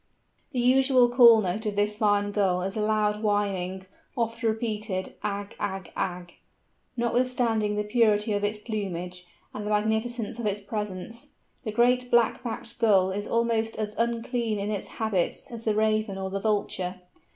The usual call note of this fine Gull is a loud, whining, oft repeated ag ag ag. Notwithstanding the purity of its plumage, and the magnificence of its presence, the Great Black backed Gull is almost as unclean in its habits as the Raven or the Vulture.